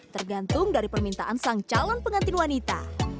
tergantung dari permintaan sang calon pengantin wanita